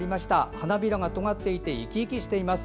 花びらがとがっていて生き生きしています。